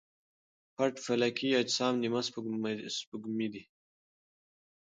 پټ فلکي اجسام نیمه سپوږمۍ دي.